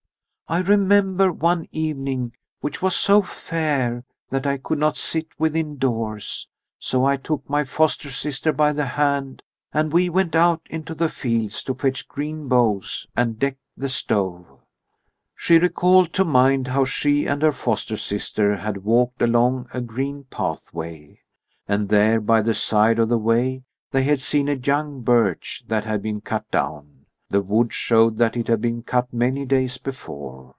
"I remember one evening which was so fair that I could not sit within doors. So I took my foster sister by the hand, and we went out into the fields to fetch green boughs and deck the stove." She recalled to mind how she and her foster sister had walked along a green pathway. And there by the side of the way they had seen a young birch that had been cut down. The wood showed that it had been cut many days before.